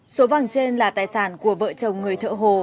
số vàng trên là tài sản của vợ chồng người thợ hồ